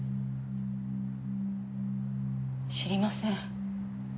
知りません。